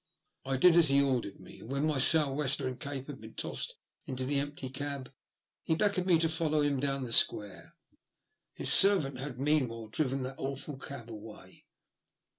I did as he ordered me, and when my sou'wester and cape had been tossed into the empty cab, he beckoned me to follow him down the square. His servant had meanwhile driven that awful cab away.